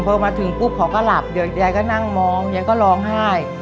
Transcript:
พอมาถึงปุ๊บเขาก็หลับเดี๋ยวยายก็นั่งมองยายก็ร้องไห้